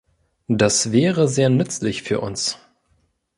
Das wäre sehr nützlich für uns.